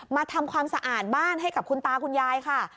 ทำความสะอาดบ้านให้กับคุณตาคุณยายค่ะ